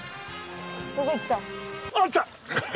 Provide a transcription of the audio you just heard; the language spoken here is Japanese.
どこ行った？